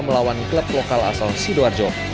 melawan klub lokal asal sidoarjo